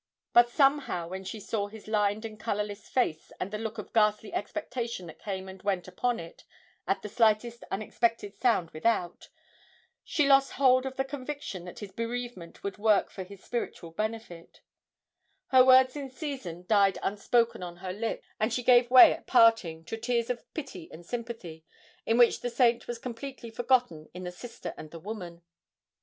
But somehow, when she saw his lined and colourless face, and the look of ghastly expectation that came and went upon it at the slightest unexpected sound without, she lost hold of the conviction that his bereavement would work for his spiritual benefit; her words in season died unspoken on her lips, and she gave way at parting to tears of pity and sympathy, in which the saint was completely forgotten in the sister and the woman.